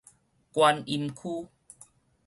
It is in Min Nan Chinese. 觀音區